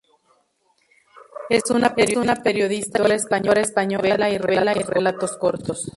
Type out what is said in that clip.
Es una periodista y escritora española de novela y relatos cortos.